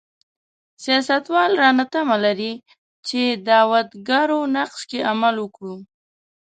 سیاستوال رانه تمه لري چې دعوتګرو نقش کې عمل وکړو.